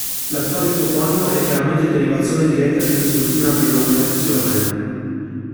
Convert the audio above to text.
L'attuale toponimo è chiaramente derivazione diretta di quest'ultima denominazione.